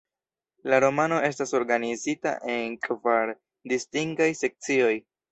La romano estas organizita en kvar distingaj sekcioj.